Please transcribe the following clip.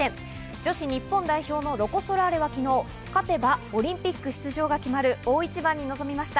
女子日本代表のロコ・ソラーレは昨日、勝てばオリンピック出場が決まる大一番に臨みました。